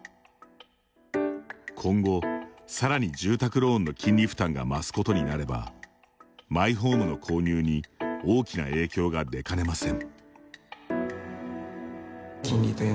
今後、さらに住宅ローンの金利負担が増すことになればマイホームの購入に大きな影響が出かねません。